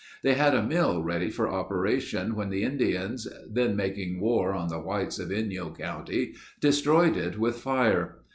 They had a mill ready for operation when the Indians, then making war on the whites of Inyo county destroyed it with fire.